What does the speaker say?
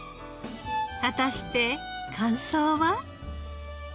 果たして感想は？